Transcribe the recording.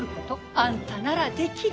あんたならできる！